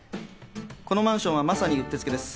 このマンションはまさにうってつけです。